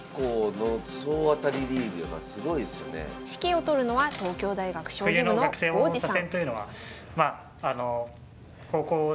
指揮を執るのは東京大学将棋部の郷治さん。